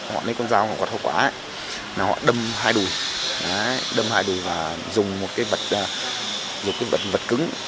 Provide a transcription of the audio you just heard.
họ đâm hai đùi và dùng một cái vật cứng